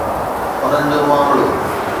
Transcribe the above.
انهن جو معاملو؟